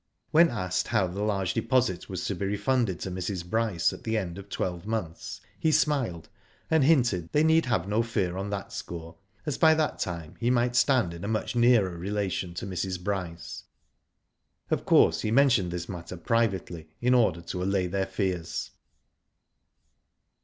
When asked how the large deposit was to be refunded to Mrs. Bryce at the end of tyvelve months, he smiled, and hinted that they need have no fear on that score, as by that time he might stand in a much nearer relation to Mrs. Bryce. Of course he mentioned this matter privately in order to allay their fears.